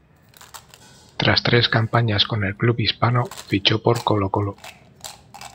Tras tres campañas con el club hispano, fichó por Colo-Colo.